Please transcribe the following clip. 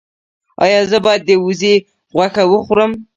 ایا زه باید د وزې غوښه وخورم؟